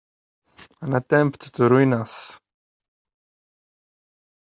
An attempt to ruin us!